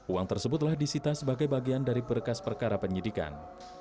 uang tersebutlah disita sebagai bagian dari berkas perkara penyidikan